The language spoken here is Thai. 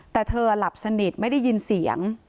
แต่เธอหลับสนิทไม่ได้ยินเสียง